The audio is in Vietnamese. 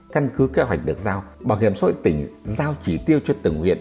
căn cứ kế hoạch được giao bảo hiểm xã hội tỉnh giao chỉ tiêu cho từng huyện